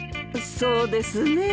そうですねえ。